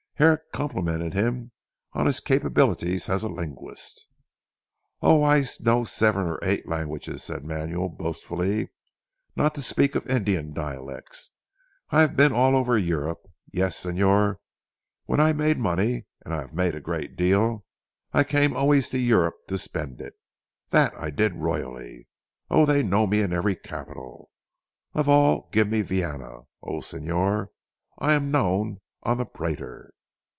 Herrick complimented him on his capabilities as a linguist. "Oh, I know seven or eight languages," said Manuel boastfully "not to speak of Indian dialects. I have been all over Europe. Yes, Señor, when I made money and I have made a great deal I came always to Europe to spend it. That I did royally. Oh, they know me in every capital. Of all, give me Vienna. Oh, Señor, I am known on the Prater."